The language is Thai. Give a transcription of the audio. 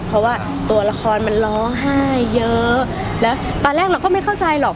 เพราะว่าตัวละครมันร้องไห้เยอะแล้วตอนแรกเราก็ไม่เข้าใจหรอก